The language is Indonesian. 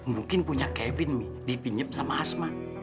mungkin punya kevin mi dipinyep sama asma